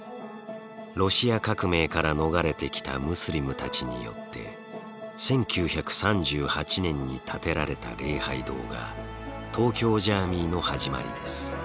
ロシア革命から逃れてきたムスリムたちによって１９３８年に建てられた礼拝堂が東京ジャーミイの始まりです。